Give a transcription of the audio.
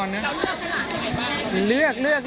แล้วเลือกให้หลานทำไงบ้าง